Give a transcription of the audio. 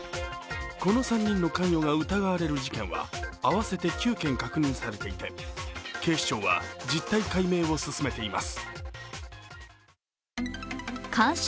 この３人の関与が疑われる事件は合わせて９件確認されていて警視庁は実態解明を進めています。